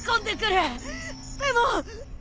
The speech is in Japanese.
でも。